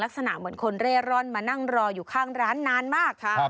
ลักษณะเหมือนคนเร่ร่อนมานั่งรออยู่ข้างร้านนานมากค่ะ